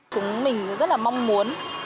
chúng mình rất là mong muốn